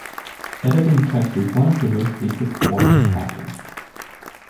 Editing text is one of the most basic forms of hacking.